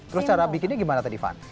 terus cara bikinnya gimana tadi van